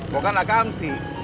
gua kan lakam sih